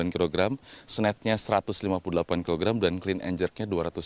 tiga ratus lima puluh sembilan kg snatchnya satu ratus lima puluh delapan kg dan clean and jerknya dua ratus satu kg